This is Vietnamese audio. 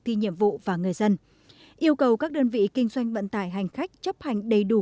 thi nhiệm vụ và người dân yêu cầu các đơn vị kinh doanh vận tải hành khách chấp hành đầy đủ